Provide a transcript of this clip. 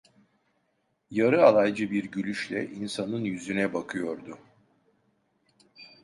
Yarı alaycı bir gülüşle insanın yüzüne bakıyordu.